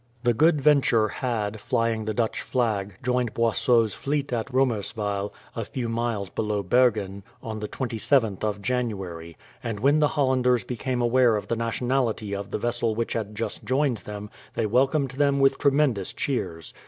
The Good Venture had, flying the Dutch flag, joined Boisot's fleet at Romerswael, a few miles below Bergen, on the 27th of January; and when the Hollanders became aware of the nationality of the vessel which had just joined them, they welcomed them with tremendous cheers.